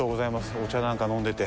お茶なんか飲んでて。